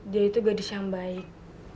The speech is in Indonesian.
dia itu gadis yang baik